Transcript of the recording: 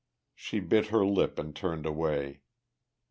She bit her lip and turned away.